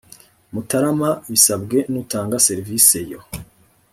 mutarama bisabwe n utanga serivisi yo